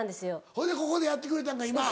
ほいでここでやってくれたんか今。